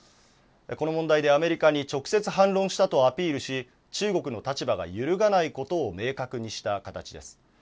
この問題でアメリカに直接反論したとアピールし中国の立場が揺るがないことを明確にした形です。